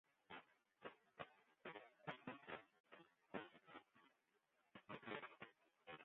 De seleksje yn it bedriuwslibben wurdt hieltyd hurder.